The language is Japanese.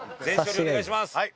はいお願いします。